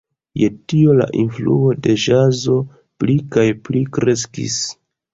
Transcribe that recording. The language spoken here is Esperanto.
Je tio la influo de ĵazo pli kaj pli kreskis.